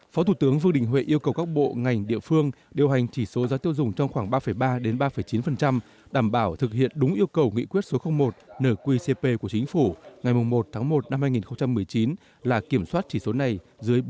phó thủ tướng vương đình huệ yêu cầu các bộ ngành địa phương điều hành chỉ số giá tiêu dùng trong khoảng ba ba ba chín đảm bảo thực hiện đúng yêu cầu nghị quyết số một nở quy cp của chính phủ ngày một một hai nghìn một mươi chín là kiểm soát chỉ số này dưới bốn